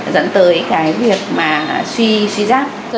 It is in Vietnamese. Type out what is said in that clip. dẫn tới cái việc mà suy suy giáp